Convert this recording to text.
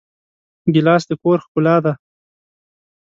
ګیلاس د کور ښکلا ده.